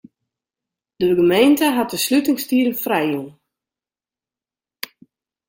De gemeente hat de slutingstiden frijjûn.